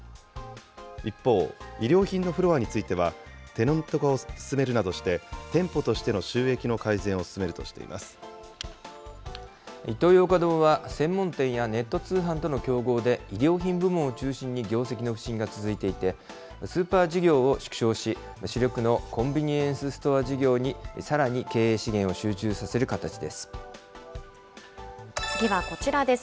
一方、衣料品のフロアについては、テナント化を進めるなどして、店舗としての収益の改善を進めるとイトーヨーカ堂は、専門店やネット通販との競合で、衣料品部門を中心に業績の不振が続いていて、スーパー事業を縮小し、主力のコンビニエンスストア事業にさらに経営資源を集中させる形次はこちらです。